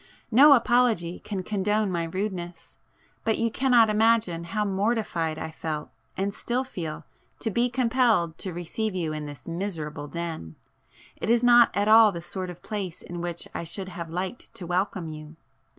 [p 23] No apology can condone my rudeness,—but you cannot imagine how mortified I felt and still feel, to be compelled to receive you in this miserable den,—it is not at all the sort of place in which I should have liked to welcome you...."